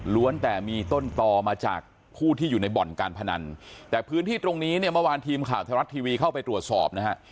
แต่มีต้นต่อมาจากผู้ที่อยู่ในบ่อนการพนันแต่พื้นที่ตรงนี้เนี่ยเมื่อวานทีมข่าวไทยรัฐทีวีเข้าไปตรวจสอบนะฮะ